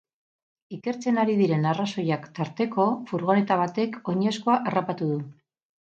Ikertzen ari diren arrazoiak tarteko, furgoneta batek oinezkoa harrapatu du.